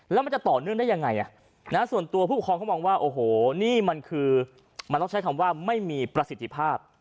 แล้วมันจะต่อเนื่องได้ยังไงส่วนตัวผู้ปกครองเขามองว่าโอ้โหนี่มันคือมันต้องใช้คำว่าไม่มีประสิทธิภาพ